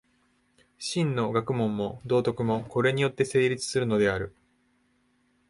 真の学問も道徳も、これによって成立するのである。